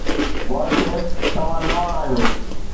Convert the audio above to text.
WhatsApp توهان نوان آهيو